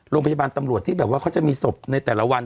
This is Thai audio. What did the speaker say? โรงพยาบาลตำรวจที่แบบว่าเขาจะมีศพในแต่ละวัน